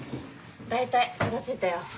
大体片付いたよ。